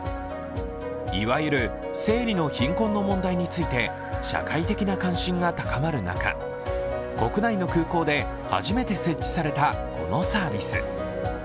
いわゆる整理の貧困の問題について社会的な関心が高まる中国内の空港で初めて設置されたこのサービス。